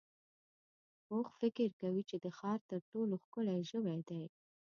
اوښ فکر کوي چې د ښار تر ټولو ښکلی ژوی دی.